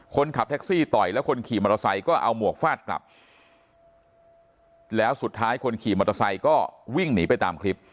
คนขับแท็กซี่ต่อยแล้วคนขี่มอเตอร์ไซค์ก็เอาหมวกฟาดกลับแล้วสุดท้ายคนขี่มอเตอร์ไซค์ก็วิ่งหนีไปตามคลิป